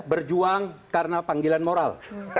berjuang karena panggilan moral